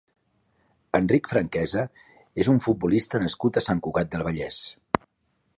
Enric Franquesa és un futbolista nascut a Sant Cugat del Vallès.